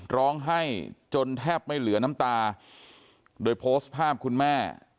ร้องไห้จนแทบไม่เหลือน้ำตาโดยโพสต์ภาพคุณแม่